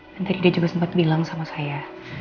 dan tadi dia juga sempat bilang sama saya